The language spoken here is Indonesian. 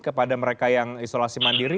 kepada mereka yang isolasi mandiri